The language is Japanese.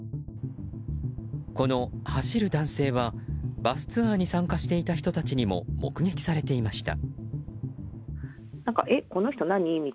この走る男性はバスツアーに参加していた人たちにも目撃されていました。